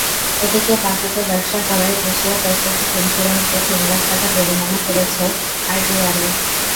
এদিকে, বাকিতে ব্যবসা করায় এশিয়া প্যাসিফিক ইনস্যুরেন্সকে তিন লাখ টাকা জরিমানা করেছে আইডিআরএ।